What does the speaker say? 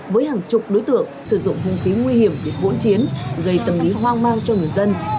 với hàng chục đối tượng sử dụng hung khí nguy hiểm để hỗn chiến gây tâm lý hoang mang cho người dân